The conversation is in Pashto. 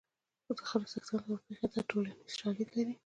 د خره څښتن ته ورپېښه ده ټولنیز شالید لري